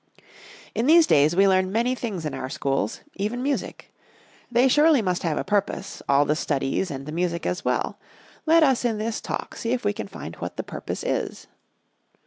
_ In these days we learn many things in our schools even music. They surely must have a purpose, all the studies and the music as well. Let us in this Talk see if we can find what the purpose is.